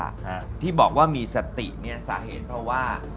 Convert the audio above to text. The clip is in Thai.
ฮะที่บอกว่ามีสติเนี้ยสาเหตุเพราะว่า